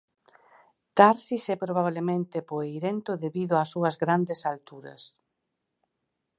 Tharsis é probablemente poeirento debido ás súas grandes alturas.